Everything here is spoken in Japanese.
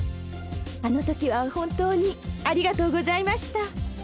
あの時は本当にありがとうございました。